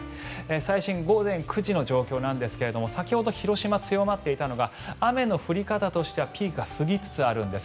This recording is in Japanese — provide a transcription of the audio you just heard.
最新、午前９時の状況ですが先ほど広島、強まっていたのが雨の降り方としてはピークが過ぎつつあるんです。